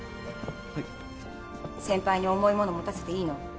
はい先輩に重いもの持たせていいの？